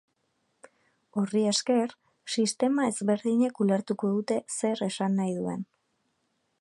Horri esker, sistema ezberdinek ulertuko dute zer esan nahi duen.